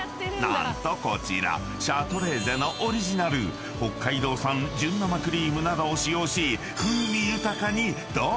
［何とこちらシャトレーゼのオリジナル北海道産純生クリームなどを使用し］